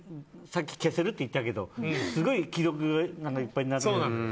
さっき消せるって言ったけどすごいいっぱいなる。